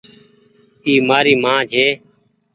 اي مآري مان ڇي۔